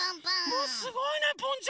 もうすごいねボンちゃん！